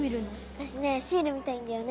私ねシール見たいんだよね。